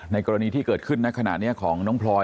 ในกรณีที่เกิดขึ้นของน้องพลอย